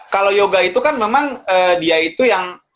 kalau yoga itu kan memang dia itu yang